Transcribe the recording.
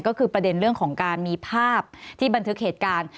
ก็คือประเด็นเรื่องของการมีภาพที่บันทึกเหตุการณ์